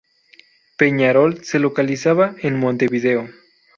Peñarol" se localizaba en "Montevideo".